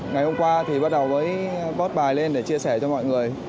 ngày hôm qua thì bắt đầu với post bài lên để chia sẻ cho mọi người